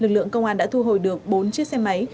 lực lượng công an đã thu hồi được bốn chiếc xe máy